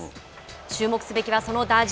注目すべきはその打順。